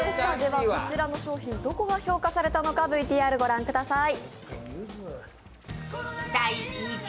こちらの商品どこが評価されたのか、ＶＴＲごらんください。